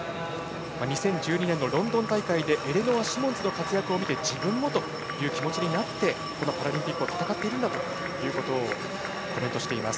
２０１２年のロンドン大会でエレノア・シモンズの活躍を見て自分もという気持ちになってこのパラリンピックを戦っているんだとコメントしています。